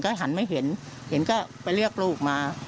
ก็หันไม่เห็นเห็นก็ไปเรียกลูกมา